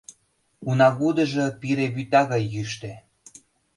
Унагудыжо пире вӱта гай йӱштӧ.